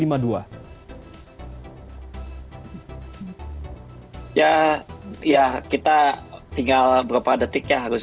ya kita tinggal beberapa detik ya harusnya